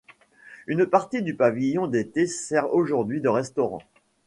Une partie du pavillon d'été sert aujourd'hui de restaurant.